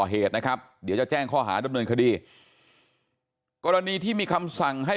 เหตุนะครับเดี๋ยวจะแจ้งข้อหาดำเนินคดีกรณีที่มีคำสั่งให้